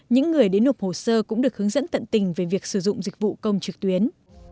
những người đến nộp hồ sơ cũng được hướng dẫn tận tình về việc sử dụng dịch vụ công trực tuyến